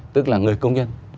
tức là người công nhân